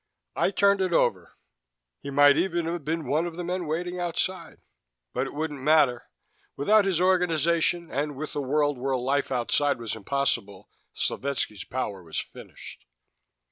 I turned it over. He might even have been one of the men waiting outside. But it wouldn't matter. Without his organization and with a world where life outside was impossible, Slovetski's power was finished.